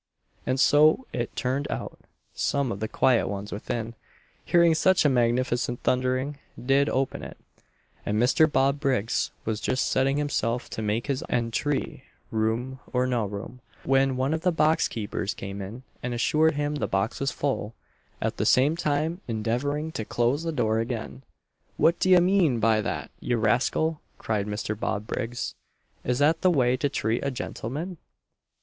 And so it turned out; some of the quiet ones within, hearing such a magnificent thundering, did open it; and Mr. Bob Briggs was just setting himself to make his entrée, room or no room, when one of the box keepers came up and assured him the box was full, at the same time endeavouring to close the door again. "What d'ye mean by that, ye rascal!" cried Mr. Bob Briggs, "is that the way to treat a gentleman?"